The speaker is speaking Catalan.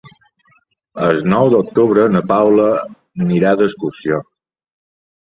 El nou d'octubre na Paula anirà d'excursió.